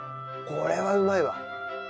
これはうまいわ。